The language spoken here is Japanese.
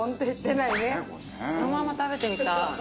そのまんま食べてみたい。